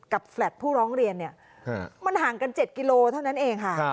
แฟลตผู้ร้องเรียนเนี่ยมันห่างกัน๗กิโลเท่านั้นเองค่ะ